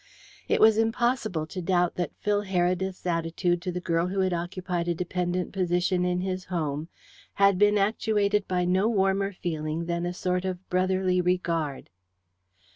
It was impossible to doubt that Phil Heredith's attitude to the girl who had occupied a dependent position in his home had been actuated by no warmer feeling than a sort of brotherly regard.